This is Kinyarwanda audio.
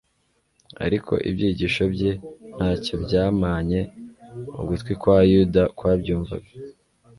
ariko ibyigisho bye ntacyo byamanye ugutwi kwa Yuda kwabyumvaga.